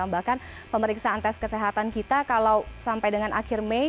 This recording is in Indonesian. bahkan pemeriksaan tes kesehatan kita kalau sampai dengan akhir mei